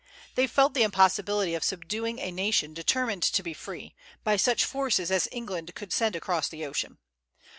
They felt the impossibility of subduing a nation determined to be free, by such forces as England could send across the ocean.